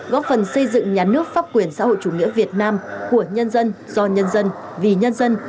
góp phần xây dựng nhà nước pháp quyền xã hội chủ nghĩa việt nam của nhân dân do nhân dân vì nhân dân